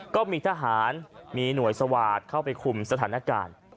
ก็มีทหารมีหน่วยสวาสตร์เข้าไปคุมสถานการณ์